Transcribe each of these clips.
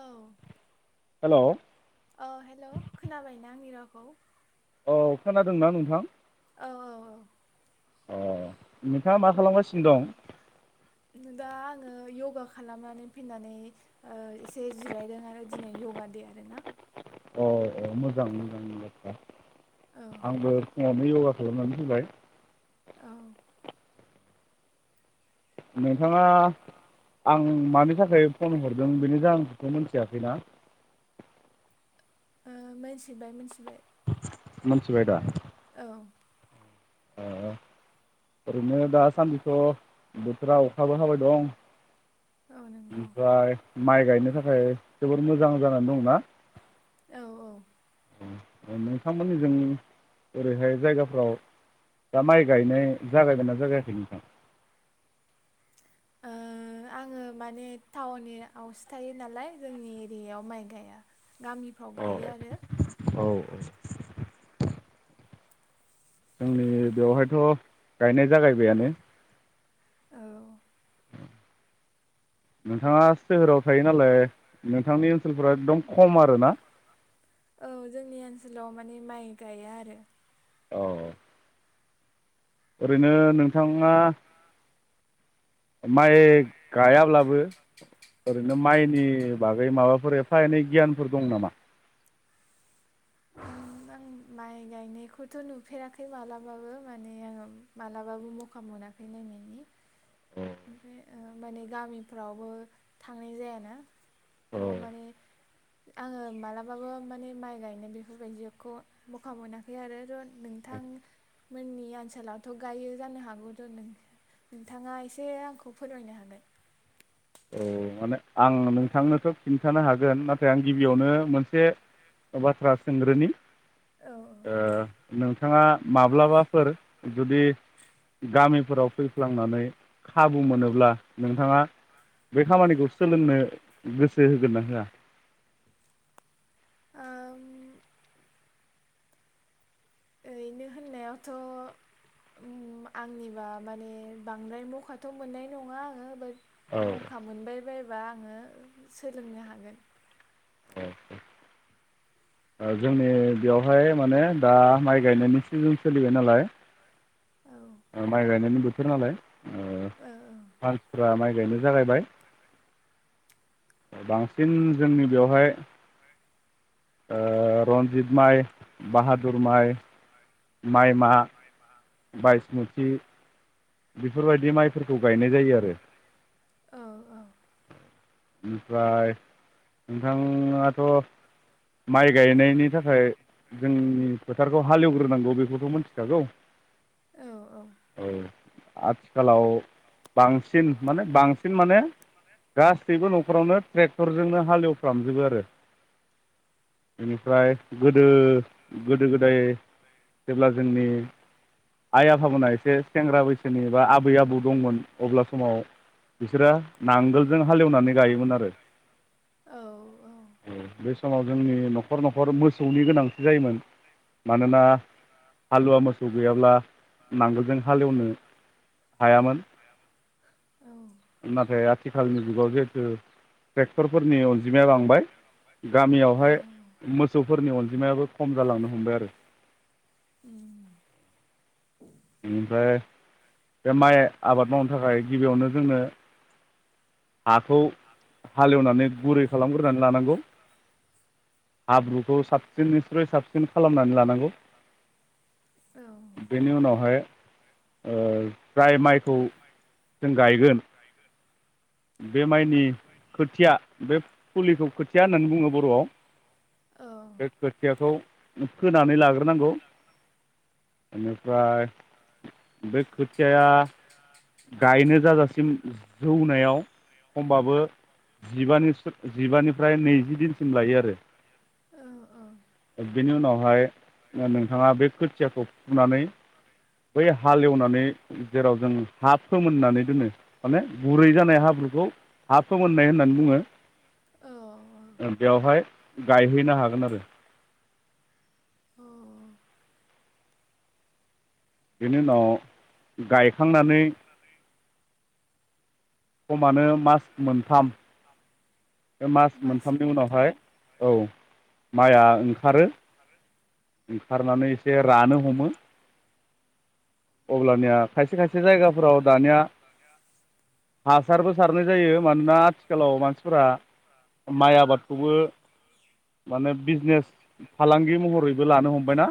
औ औ हेलौ खोनाबायना आंनि रावखौ? [inaudible] औ खोनादोंना नोंथां? औ‌ औ अ नोंथाङा मा खालामगासिनो दं? दा आङो योगा खालामनानै फैनानै एसे जिरायदों आरो दिनै योगा दे आरोना। अ औ मोजां मोजां। आंबो फुङावनो यगा खालामनानै फैबाय। औ नोंथाङा आं मानि थाखाय फन हरदों बेनो जाहोनखौथ' मिथियाखैना? मिथिबाय मोनथिबाय। मोनथिबाय दा? द' [unintelligible] ओ ओरैनो दासान्दिथ' बोथोरा अखाबो हाबाय दं। ओमफ्राय माइ गायनो थाखाय मोजां जानानै दंना? औ औ नोंथांमोन जों ओरैहाय जायगाफ्राव दा माइ गायनाय जागायबाय ना जागायाखै नोंथां? ओ आङो माने टाउनआवसो थायो नालाय जोंनि एरियायाव माइ गाया गामिफ्राव गायो आरो। औ औ बेवहायथ' गायनाय जागायबायानो। औ। नोंथाङा सोहोराव थायो नालाय नोंथांनि ओनसोलफोरा एकदम खम आर ना? औ जोंनि ओनसोलाव माने माइ गाया आरो। औ। ओरैनो नोंथाङा माइ गायाब्लाबो ओरैनो माइनि बागै माबाफोर एफा एनै गियानफोर दं नामा? आं आं माइ गायनायखौथ नुफेराखै मालाबाबो माने आङो मालाबाबो मखा मोनाखै नायनायनि। ओमफ्राय ओ माने गामिफ्रावबो थांनाय जायाना थ माने आङो मालाबाबो माने माइ गायनाय बेफोरबायदिखौ मखा मोनाखै आरो थ नोंथांमोननि ओनसोलावथ गायो जानो हागौ थ नोंथाङा एसे जे आंखौ फोरमायनो हागोन। औ माने आं नोंथांनोथ खिन्थानो हागोन नाथाय आं गिबियावनो मोनसे बाथ्रा सोंग्रोनि ओ नोंथाङा माब्लाबाफोर जुदि गामिफोराव फैफ्लांनानै खाबु मोनोब्ला नोंथाङा बे खामानिखौ सोलोंनो गोसो होगोन ना होआ? ओरैनो होननायावथ आंनिबा माने बांद्राय मखाथ मोननाय नङा आङो बाट मखा मोनबाय बाय बा आङो सोलोंनो हागोन। औ। ओ जोंनि बेयावहाय माने दा माइ गायनायनि सि जों सोलिबाय नालाय। माइ गायनायनि बोथ बोथोर नालाय। ओ मानसिफ्रा माइ - बेनो जागायबाय बांसिन जोंनि बेवहाय ओ रन्जित माइ बाहादुर माइ माइ मा बायस मुथि बेफोरबायदि माइ फोर गायनाय जायो आरो। ओमफ्राय नोंथाङाथ' माइ गायनायनि थाखाय जोंनि थारगौ हालेवग्रोनांगौ बेखौथ' मिथिखागौ औ। आथिखालाव बांसिन माने बांसिन माने गास न'खरावनो ट्रेक्टरजोंनो हालेवफ्रामजोबो आरो बेनिफ्राय गोदो गोदो गोदाय जेब्ला जोंनि आइ आफाबोना एसे सेंग्रा बैसोनि बा आबै आबौ दंमोन अब्ला समाव बिसोरो नांगोलजों हालेवनानै गायोमोन आरो समाव जोंनि नखर नखर मोसौनि गोनांथि जायोमोन मानोना हालुवा मोसौ गैयाब्ला नांगोलजों हालेवनो हायामोन नाथाय आथिखालनि [unintelligible] ट्रेक्टरफोर नि जिमाया बांबाय गामियावहाय मोसौफोरनि अन बिमायाबो खम जालांनो हमबाय आरो उम बेनिफ्राय बे माइ आबाद मावनो थाखाय गिबियावनो जोंङो हाखौ हालेवनानै गुरै खालामग्रोनानै लानांगौ हाब्रुखौ साबसिन निसाय साबसिन खालामनानै लानांगौ बेनि उनाव फ्राय ओ जाय माइखौ जों गायगोन बे माइनि खोथिया बे फुलिखौ खोथिया होननानै बुंङो बरआव बे खोथियाखौ फोनानै लाग्रोनांगौ बेनिफ्राय बे खोथियाया गायनो जाजासिम जौनायाव खमबाबो जिबानि जिबानिफ्राय नैजि दिनसिम लायो आरो बेनि उनाव हाय नोंथाङा बे खोथियाखौ फुनानै बै हालेवनानै जेराव जों हा फोमोननानै दोनो माने गुरै जानाय हाब्रुखौ हा फोमोननाय होननानै बुंङो बेवहाय गायहैनो हागोन आरो बेनि उनाव गाइक खांनानै खमानो मास मोनथाम बे मास मोनथामनि उनावहाय औ माइआ ओंखारो ओंखारनानै एसे रानो हमो अब्लानिया खायसे खायसे जायगाफोराव दानिया हासारबो सारनाय जायो मानोना आथिखालाव मानसिफोरा माइ आबादखौबो माने बिजनेस फालांगि महरै लानो हमबायना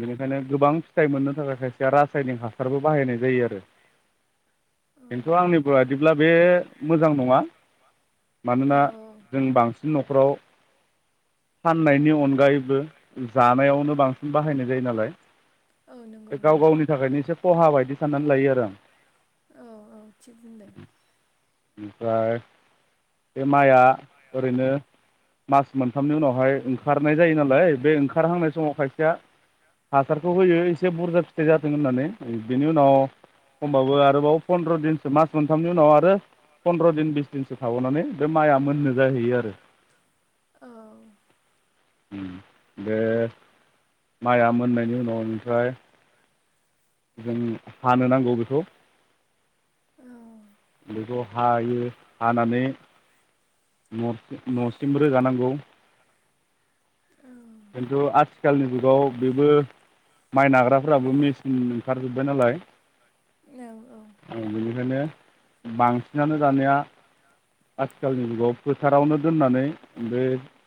बेनिखायनो गोबां फिथाइ मोननो थाखाय खायसेया रासायनिक हासारबो बाहायनाय जायो आरो खिन्थु आंनि बादिब्ला बे मोजां नङा मानोना जों बांसिन न'खराव फान्नाय [unintelligible] जानायावनो बांसिन बाहायनाय जायो नालाय बे गाव गावनि थाखायनो एसे खहा बायदि साननानै लायो आरो आं। ओमफ्राय बे माइया ओरैनो मास मोनथामनि उनावहाय नाय जायो नालाय बे ओंखारहांनाय समाव खायसेया हासारखौ होयो एसे बुरजा फिथाइ जाथों होननानै बेनि उनाव खमबाबो आरोबाव फन्द्र'' दिनसो मास मोनथामनि उनाव आरो फन्द्र' दिन बिस दिनसो थाबावनानै बे माइआ मोननो जाहैयो आरो। [inaudible] बे माइआ मोननायनि उनाव ओमफ्राय जों हानो नांगौ बेखौ बेखौ' हायो हानानै न न'सिम रोगानांगौ खिन्थु आथिखालनि जुगाव बेबो माइ नाग्राफ्राबो मिस ओंखारजोबबाय नालाय औ बेनिखायनो बांसिनानो दानिया आथिखालनि जुगाव फोथारावनो दोननानै बे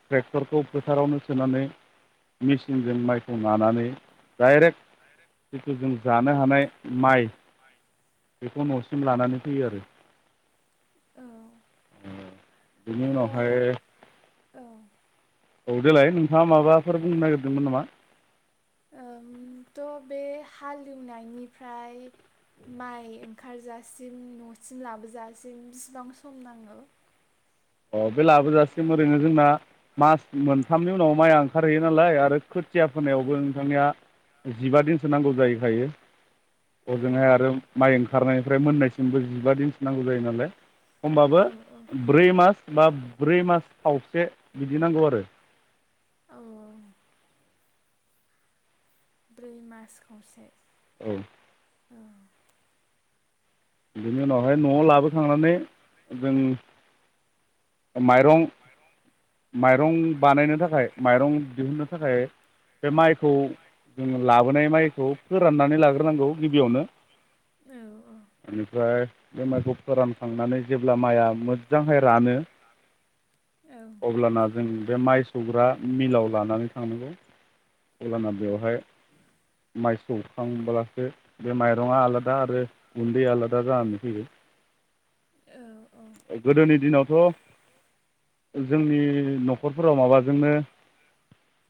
ट्रेक्टरखौ फोथारावनो सोनानै मेचिनजों माइखौ नानानै डाइरेक्ट जिथु जों जानो हानाय माइ बेखौ न'सिम लानानै फैयो आरो औ बिनि उनावहाय औ देलाय नों थाङा माबाफोर बुंनो नागिरदोंमोन नामा हालेवनायनिफ्राय माइ ओंखारजासिम न'सिम लाबोजासिम बिसिबां सम नाङो अ बे लाबोजासि ओरैनो जोंना मास मोनथामनि उनाव माइया खारहैयो नालाय आरो खोथिया फोनायावबो नोंथांनिया जिबा दिन नांगौ जाहैखायो। हजोंहाय आरो माइ ओं खारनायनिफ्राय मोननायसिमबो जिबा दिनसो नांगौ जायो नालाय होमबाबो ब्रै मास बा ब्रै मास आव एसे बिदि नांगौ आरो। औ ब्रै मास खावसे औ बिनि उनावहाय नआव लाबोखांनानै जों माइरं माइरं बानायनो थाखाय माइरं दिहुनन्नो थाखाय बे माइ खौ जों लाबोनाय माइखौ फोराननानै लाग्रोनांगौ गिबियावनो ओमफ्राय बे माइखौ फोरानखांनानै जेब्ला माइया मोजांहै रानो अब्लाना जों बे माइ सौग्रा मिलाव लानानै थांनांगौ। अब्लाना बेवहाय माइ सौखांब्लासो बे माइरङा आलादा आरो। गुन्दैया आलादा जानानै फैयो। गोदोनि दिनावथ। जोंनि नखरफोराव माबा जोंनो।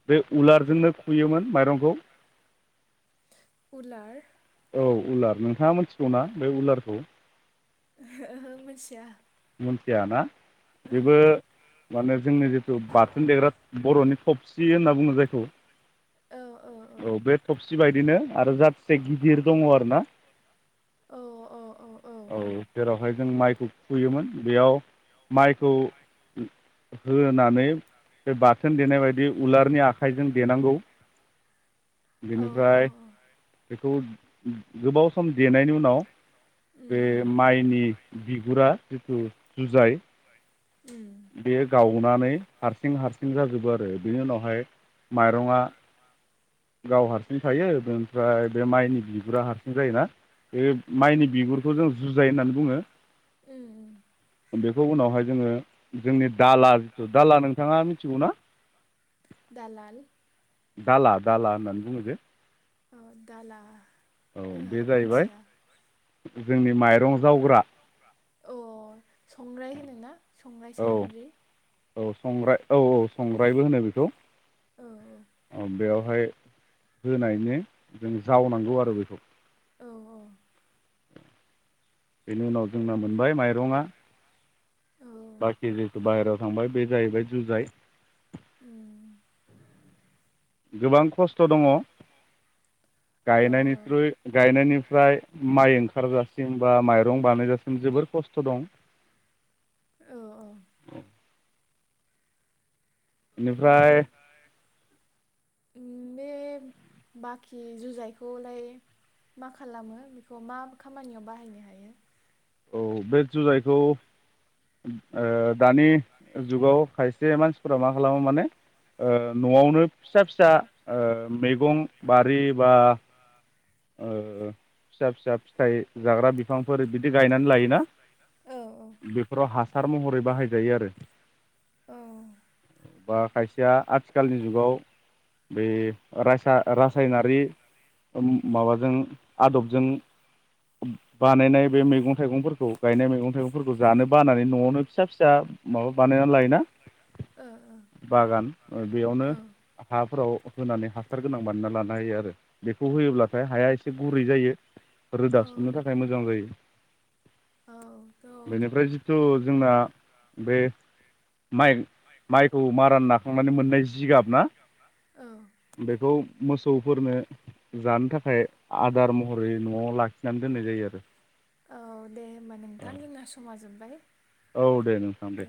बे उलार। जोंनो खुयोमोन माइरंखौ। औ उलार नोंथाङा मिथिगौना बे उलारखौ? ओहो मोनथिया। मोनथिया ना? बेबो। माने जोंनि जिथु बाथोन देग्रा बर'नि थबसि होनना बुङो जायखौ। औ बे थब सिबायदिनो आरो जाथिसे गिदिर दङ आरो ना। औ जेरावहाय जों माइ। [unintelligible] फुयोमोन बेयाव। माइखौ। होनानै बे बा थोन देनाय बायदि उलारनि आखाइजों देनांगौ। बिनिफ्राय बेखौ गोबाव सम देनायनि उनाव बे माइनि बिगुरा जिथु जुजाय बेयो गाव गनानै हारसिं हारसिं जाजोबो आरो बेनि उनावहाय माइरङा गाव हारसिं थायो बेनिफ्राय बे माइनि बिगुरा हारसिं जायोना बे माइनि बिगुरखौ जों जुजाय होननानै बुङो। बेखौ उनावहाय जोङो जोंनि दाला जिथु दाला नोंथाङा मिथिगौ ना दाला दाला होननानै बुङो जे। अ दाला। औ बे जाहैबाय जोंनि माइरं जावग्रा अ। संग्राय होनोना संग्राय सान्द्रि औ संग्राय औ औ संग्रायबो होनो बेखौ। अ बेयाव बेवहाय होनायनि जों जावनांगौ आरो बेखौ। औ औ। बेनि उनाव जोंना मोनबाय माइरंआ बाखि जिथु बाहेरायाव थांबाय बे जाहैबाय जुजाइ उम गोबां खस्थ' दङ गायनायनि थ्रुय गायनायनिफ्राय माइ ओंखारजासिम बा माइरं दं बानायगासिनो जोबोर खस्थ' दं। औ ओम्फ्राय बे बाखि जुजाइखौलाय मा खालामो बेखौ मा खामानियाव बाहायनो हायो औ बे जुजायखौ ओ दानि जुगाव खायसे मानसिफोरा मा खालामो माने ओ न'आवनो फिसा फिसा ओ मैगं बारि बा ओ फिसा फिसा फिथाइ जाग्रा बिफांफोर बिदि गायनानै लायोना बेफोराव हासार महरै बाहायजायो आरो। औ। बा खायसेया आथिखालनि जुगाव बे रासा-रासायनारि ओम माबाजों आदबजों बानायनाय बे मैगं थाइगंफोरखौ गायनाय मैगं थाइगंफोरखौ जानो बानानै नआवनो फिसा फिसा माबा बानायना लायोना बागान बेयावनो हाफोराव होनानै हासार गोनां बानायना लानो हायो आरो बेखौ होयोब्ला फाय हाया एसे गुरै जायो रोदासुनो थाखाय मोजां जायो बेनिफ्राय जिथु जोंना बे माइ माइखौ मारान नाखांनानै मोननाय जिगाब ना बेखौ मोसौफोरनो जानो थाखाय थाखाय आदार महरै नआव लाखिनानै दोननाय जायो आरो औ दे होमबा नोंथां जोंना समा जो बाय औ दे नोंथां दे